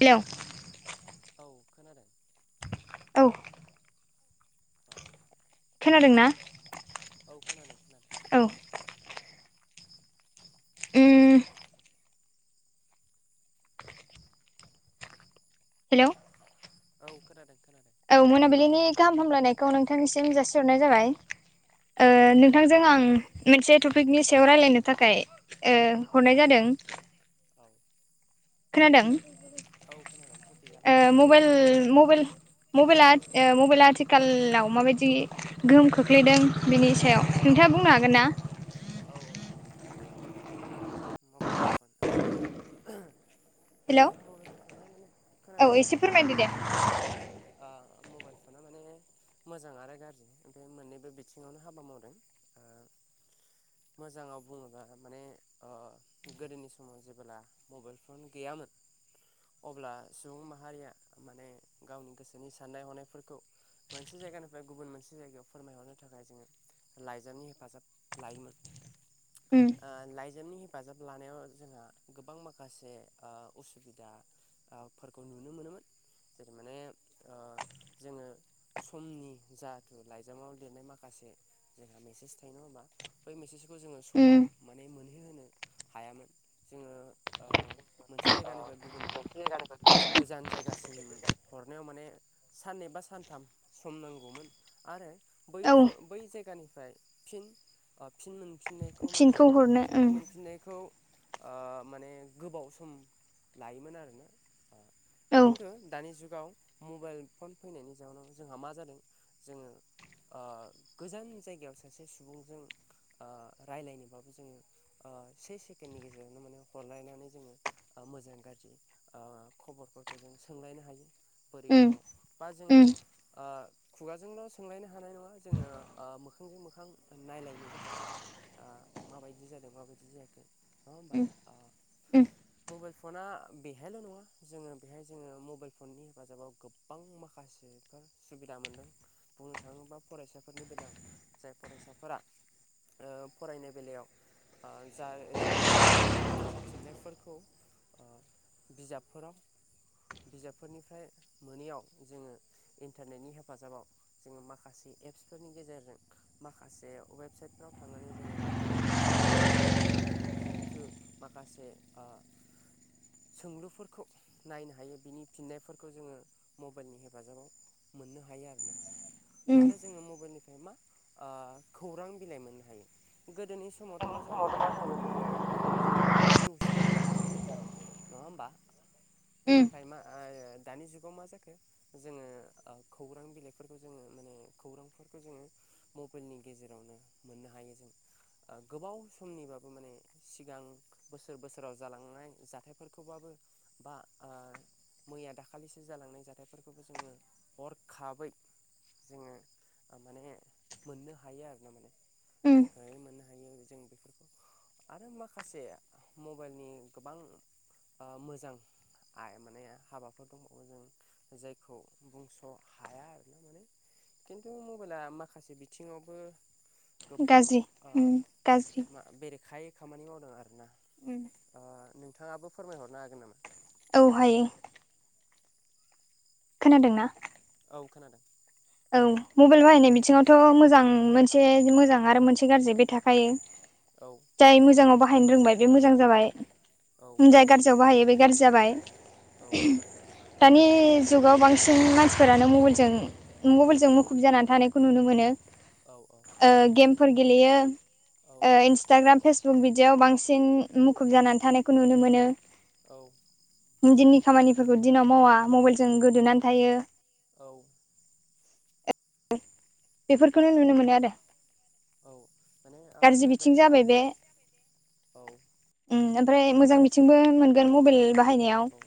Hello औ खोनादों। औ औ खोनादों ना? औ खोनादों खोनादों। औ ओम हेल' औ खोनादों खोनादों औ मोनाबिलिनि गाहाम हामलायनायखौ नोंथांनिसिम जासिहरनाय जाबाय ओ औ नों नोंथांजों आं मोनसे टपिकनि सायाव रायलायनो थाखाय ओ हरनाय जादों। औ खोनादों? औ खोनादों टपिकआलाय मामोन? मबाइ मबाइल मबाइला आथिखालाव माबायदि गोहोम खोख्लैदों बिनि सायाव नोंथाङा बुंनो हागोन ना। औ औ मबाइल फन हेलौ मबाइल फना माने खोनादों नोंथां। [unintelligible] मबाइल फना माने मोजां आरो गाज्रि बे मोननैबो बिथिङावनो हाबा मावदों। मोजाङाव बुङोबा माने ओ गोदोनि समाव जेबोब्ला मबाइल फन गैयामोन। अब्ला सुबुं माने गावनि गोसोनि साननाय हनायफोरखौ। मोनसे जायगानिफ्राय गुबुन मोनसे जायगायाव फोरमायहरनो थाखाय जोङो लाइजामनि हेफाजाब लायोमोन उम ओ लाय लायजामनि हेफाजाब लानायाव जोंहा गोबां माखासे ओ उसुबिदा फोरखौ नुनो मोनोमोन जेरै माने जोङो समनि जाथे लाइजामाव लिरनाय माखासे जोंहा मेसेज थायो नङा होमबा बै मेसेजखौ जोङो समाव उम माने मोनहै। बि होनो हायामोन जोङो ओ मोनसे जायगानिफ्राय गुबुन। [inaudible] मोनसे गोजान जायगासिम हरनायाव माने साननै बा सानथाम सम नांगौमोन। आरो बै औ बै जायगानिफ्राय फिन फिन मोनफिननायखौ माने फिनखौ हरनो उम फिननाय मोनफिननायखौ ओ माने गोबाव सम लायोमोन आरोना। औ खिन्थु दानि जुगाव मबाइल फन फैनायनि जााहोनाव जोंहा मा जादों। जोङो ओ गोजान जायगायाव सासे सुबुंजों ओ राय्लायनोबाबो जोङो ओ से सेकेडनि गेजेरावनो माने हरलायनानै जोङो ओ मोजां गाज्रि खबरफोरखौ जों सोंलायनो हायो बोरै दङ उम बा उम जोङो खुगाजोंल' सोंलायनो हानाय नङा जोङो मोखांजों मोखां नायलायनोबो हायो माने ओ माबायदि जादों माबायदि जायाखै नङा होमबा उम उम मबाइल फना बेहायल' नङा जोङो बेहाय जोङो मबाइल फननि हेफाजाबाव गोबां माखासेफोर सुबिदा मोन्दों बुंनो थाङोबा फरायसाफोरनि बेलायाव जाय फरायसाफोरा ओ फरायनाय बेलायाव ओ जा जेबो ओ माखासे फिन्नायफोरखौ ओ। बिजाबफोराव बिजाबफोरनिफ्राय मोनैयाव जोङो इन्टारनेटनि हेफाजाबाव जोङो माखासे एप्सफोरनि गेजेरजों माखासे वेबसाइटफोराव थांनानै जोङो जोंनि नांगौ जानाय जिहेथु माखासे ओ सोंलुफोरखौ नायनो हायो बिनि फिननायफोरखौ जोङो मबाइलनि हेफाजाबाव मोननो हायो आरो ना। उम आरो जोङो मबाइलनिफ्राय मा ओ खौरां बिलाइ मोननो हायो। गोदोनि समावथ' मा जायोमोन जोङो खौरां बिलाइखौ जोङो निउस पेपाराव मोनोमोन। नङा होमबा? उम नाथाय मा ओ दानि जुगाव मा जा खो जोङो ओ खौरां बिलाइफोरखौ जोङो माने खौरांफोरखौ जोङो मबाइलनि गेजेरावनो मोननो हायो जों। गोबाव समनिबाबो माने सिगां बोसोर-बोसोराव जालांनाय जा थायफोरखौब्लाबो बेफोरखौबाबो बा ओ मैया दाखालिसो जालांनाय जाथायफोरखौबो जोङो हरखाबै जोङो माने मोननो हायो आरो ना माने। उम गोख्रोङै मोननो हायो। हायो जों बेफोरखौ आरो माखासे मबाइलनि गोबां ओ मोजां आइ माने हाबाफोर दंबावो जों जायखौ बुंस' हाया आरो ना माने। खिन्थु मबाइला माखासे बिथिङावबो गोबां गाज्रि ओ उम गाज्रि मा बेरेखायै खामानि मावदों आरो ना। उम ओ नोंथाङाबो फोरमायहरनो हागोन नामा? औ हायो। खोनादोंना? औ खोनादों। औ मबाइल बाहायनाय बिथिङावथ' मोजां मोनसे मोजां आरो मोनसे गाज्रि बे थाखायो। [inaudible] औ जाय मोजाङाव बाहायनो रोंबाय बे मोजां जाबाय औ जाय गाज्रियाव बाहायो बे गाज्रि जाबाय। औ दानि जुगाव बांसिन मानसिफोरानो मबाइलजों मबाइलजों मुखुब जानानै थानायखौ नुनो मोनो। औ औ ओ गेमफोर गेलेयो औ ओ इन ताग्राम फेसबुक बिदियाव बांसिन मुखुब जानानै थानायखौ नुनो मोनो। औ दिननि खामानिफोरखौ दिनाव मावा मबाइलजों गोदोनानै थायो। औ बेफोरखौनो नुनो मोनो आरो। औ माने ओ गाज्रि बिथिं मबाइला जाबाय औ। ओम ओमफ्राय मोजां मिथिंबो मोनगोन मबाइल बाहायनायाव। औ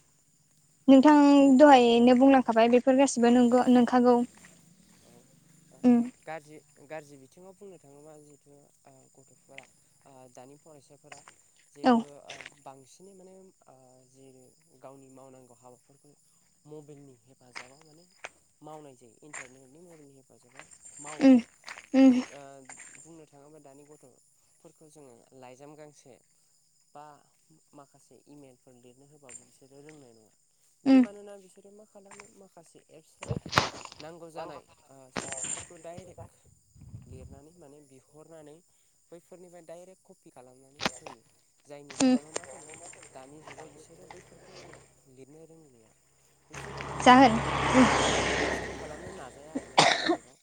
नोंथां दहायैनो बुंलांखाबाय बेफोर गासिबो नंगौ नोंखागौ। ओ उम गाज्रि गाज्रि बिथिङाव बुंनो जिहेथु ओ गथ'फोरा ओ दानि फरायसाफोरा औ जिहेथु ओ बांसिन नै माने ओ जि गावनि मावनांगौ हाबाफोरखौ मबाइलनि हेफाजाबाव माने मावनाय जायो। इन्टारनेटनि मबाइलनि [unintelligible] मावो उम उम ओ बुंनो थाङोब्ला गथ'फोरखौ जोङो लाइजाम गांसे बा माखासे इमेलफोर लिरनो होबाबो बिसोरो रोंनाय नङा। बे उम मानोना बिसोरो मा खालामो माखासे एप्सफोराव नांगौ जानाय। सोंथिफोरखौ डाइरेक्ट लिरनानै माने बिहरनानै। बैफोरनिफ्राय डाइरेक्ट कपि खालामनानै होयो। जायनि उम जाहोनाव मा जादों दानि जुगाव बिसोरो बैफोरखौ लिरनो रोंलिया। बिसोरो मा जाहोन माने खस्थ' खालामनो नाजाया आरोना दानि जुगाव।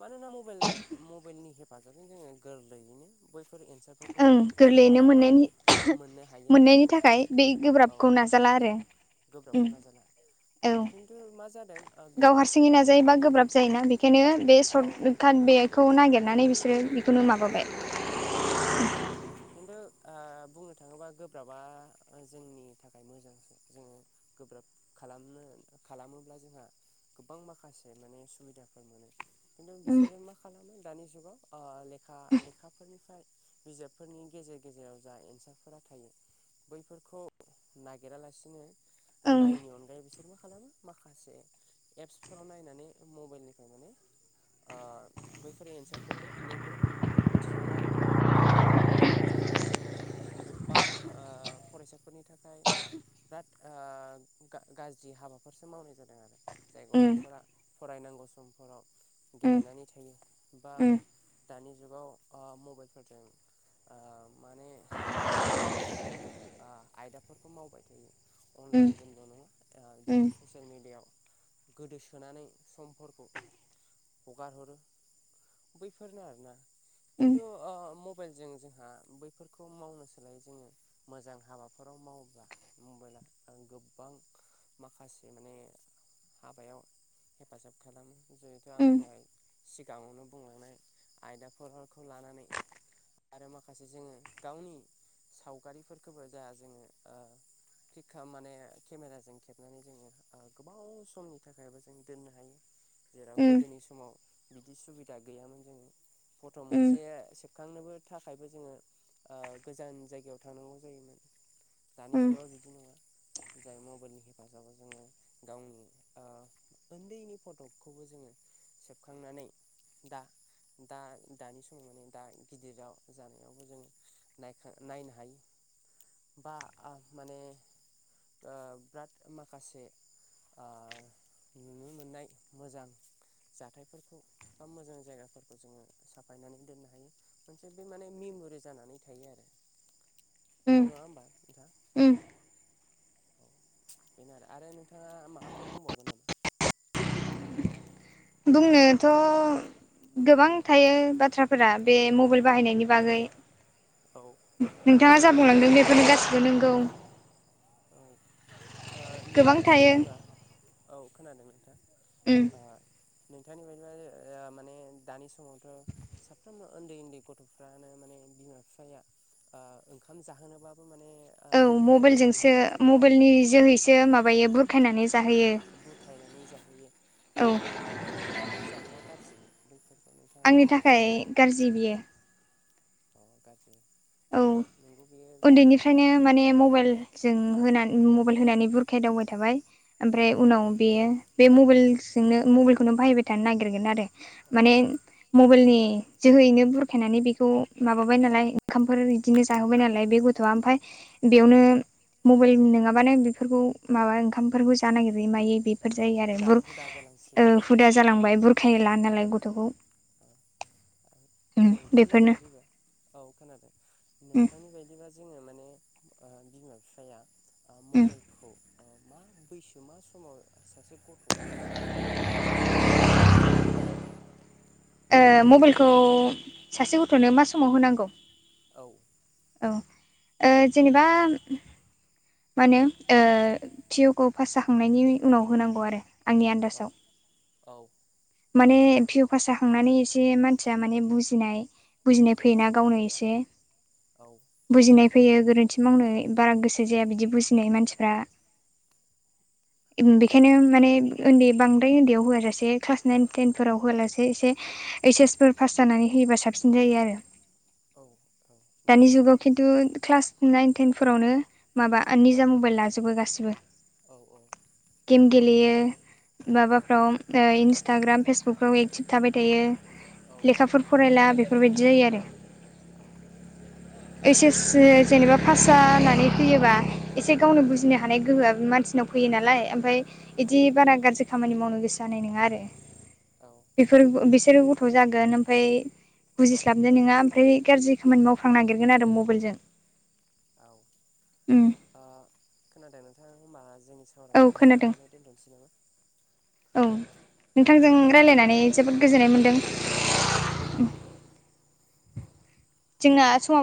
मानोना मबाइल मबाइलनि हेफाजाबजों जोङो गोरलैयैनो बैफोर एन्सार फोरखौ ओं जो खस्थ' गोरलैयैनो खालामा मोननायनि मोननो हायो आरो मोननायनि थाखाय बे गोब्राबखौ औ। नाजाला आरो उम ग्रोबाबखौ नाजाला औ खिन्थु मा जादों। आं गाव गोब्राबखौ हारसिंयै नाजायोबा नाजानायनि गोब्राब जायोना बे बेखायनो बे औ सर्ट काट बेखौ नागिरनानै बिसोरो बेखौनो माबाबाय। औ औ। खिन्थु बुंनो थाङोबा गोब्राबा जोंनि थाखाय मोजांसो। जोङो गोब्राब खालामनो खालामोब्ला जोंहा। गोबां माखासे माने सुबिदाफोर मोनो। खिन्थु उम बिसोरो मा खालामो दानि जुगाव लेखा लेखाफोरनि। बिजाबफोरनि गेजेर गेजेराव जा एन्सारफोरा थायो। बैफोरखौ नागिरालासिनो ओं नायैनायनि अनगायै बिसोर। बे मा खालामो माखासे एप्सफोराव नायनानै मबाइलनिफ्राय माने बैफोर एन्सारफोरखौ फिन्नायफोरखौ दिहुनो आरो। जाय माने गोबां फरायसाफोरनि थाखाय। बिराद गाज्रि हाबाफोरसो मावनाय जादों आरो। जाय उम गथ'फोरा फरायनांगौ समफोराव उम गेलेनानै थायो बा। दानि जुगाव मबाइल फोर। जों माने बेलेक बेलेक। आयदाफोरखौ मावबाय थायो उम उम अनलाइन गेमल' नङा। उम जिहेथु ससियेल मेडियाआव गोदोसोनानै समफोरखौ। हगार हरो बैफोरनो आरोना उम खिन्थु। मबाइलजों जोंहा बैफोरखौ मावनो सोलाय जोङो। मोजां हाबाफोराव मावोब्ला मबाइला गोबां। माखासे माने हाबायाव हेफाजाब खालामो। जिहेथु आं उम दहाय सिगाङावनो बुंलांनाय आयदाफोरखौ लानानै। आरो माखासे जोङो गावनि सावगारिफोरखौबो जा जोङो। क्लिकखा माने केमेराजों खेबनानै जोङो गोबाव समनि थाखायबो जों दोननो हायो। [inaudible] जेराव गोदोनि समाव बिदि सुबिदा गैयामोन जों फट' उम मोनसे से बखांनोबो थाखायबो जोङो गोजान जायगायाव थांनांगौ जायोमोन। दानि उम जुगाव बिदि नङा जाय मबाइलनि हेफाजाबाव जोङो गावनि। उन्दैनि फटकखौबो जोङो सेबखांनानै। दा दा दानि समाव माने दा। गिदिराव जानायावबो जों नायखा नायनो हायो। बा आ माने ओ बिराद माखासे ओ नुनो मोननाय मोजां जाथायफोरखौ बा मोजां जायगाफोरखौ जोङो साफायनानै दोननो हायो। मोनसे बे माने मेमरि जानानै थायो आरो उम नङा होमबा उम औ बेनो आरो आरो नोंथाङा माबाफोर बुंबावगोन नामा? बुंनोथ' गोबां थायो बाथ्राफोरा बे मबाइल बाहायनायनि बागै औ नोंथाङा जा बुंलांदों बेफोरनो गासिबो नोंगौ। औ ओ गोबां नोंथांनि थायो बायदिबा औ खोनादों नोंथां। उम ओ नोंथांनि बायदिबा ओ माने दानि समावथ' साफ्रोमबो उन्दै-उन्दै गथ'फ्रानो माने बिमा-बिफाया ओ ओंखाम जाहोनोबाबो माने ओ मबाइलनि हेफाजाब लायो। मबेइलनि जोहैसो माबायो बुरखायनानै जाहोयो। बुरखायनानै जाहोयो औ बैफोरो माने मोजां ना गाज्रि बैफोरखौ नोंथा आंनि थाखाय गारजि बियो। अ गाज्रि। औ नोंगौ बेयो गाज्रियानो। औ। औ उन्दैनिफ्रायनो माने मबाइलजों होना मबाइल होनानै बुरखाय दावबाय थाबाय ओमफाय उनाव बेयो बे मबाइलजोंनो मबाइलखौनो बाहायबाय थानो नागिरगोन आरो। माने मबाइलनि जोहैनो बुरखायनानै बेखौ माबाबाय नालाय। ओंखामफोर इदिनो औ। जाहोबाय नालाय बे गथ'आ ओमफाय बेयावनो औ मबाइल नोङाबानो बेफोरखौ माबा ओंखामफोरखौ जानो नागिरै मायै बे बेफोर जायो आरो हुदा बुर हुदा जालांसिगोन ओ आरोना हुदा बेयो। जालांबाय बुरखाला नालाय गथ'खौ। उम नोंथांनि बेफोरनो बायदिबा औ खोनादों। उम नोंथांनि बायदिबा जोङो माने ओ बिमा बिफाया ओ उम मबाइलखौ। अ मा बैसो मा समाव सासे गथ'फोरनो गथ' सानो होनांगौ। ओ मबाइलखौ सासे गथ'नो मा समाव होनांगौ औ। औ ओ जेनेबा मानो ओ पिअखौ पास जाखांनायनि उनाव होनांगौ आरो। आंनि आन्दाजाव औ औ। माने पिअ पास जाखांनानै एसे मानसिया माने बुजिनाय बुजिनाय फैयोना गावनो एसे। औ बुजिनाय फैयो गोरोन्थि मावनो बारा गोसो जाया बिदि बुजिनाय मानसिफ्रा। इम बेखायनो माने उन्दै बांद्राय उन्दैयाव होआ जासे क्लास नाइन टेन फोराव होआला एसे ओइस एस फोर पास जानानै होयोबा साबसिन जायो आरो। औ दानि नंगौ जुगाव खिन्थु क्लास नाइन टेनफोरावनो माबा निजा मबाइल लाजोबो गासिबो। औ औ। गेम गेलेयो औ ओ माबाफ्रव ओ इनस टाग्राम फेसबुकफ्राव एक्टिभ थाबाय थायो लेखाफोर फरायला बेफोरबायदि जायो आरो। औ ओइस एस जेनेबा पास जानानै फैयोबा एसे गावनो बुजिनो माने गोहोआ मानसिनाव फैयो नालाय ओमफ्राय औ इदि बारा गाज्रि खामानि मावनो गोसो जानाय नोङा आरो। औ। बेफोर बिसोरो गथ' जागोन ओमफ्राय बुजिस्लाबनो नोङा ओमफ्राय गाज्रि खामानि मावफ्लांनो नागिरगोन आरो मबेलजों औ ओ खोनादों नोंथां ओमबा जोंनि औ सावरायनायखौ खोनादों बेहायनो दोनथ'नोसै नामा? औ नोंथांजों रायलायनानै जोबोद गोजोननाय मोन्दों। औ जोङा समाबो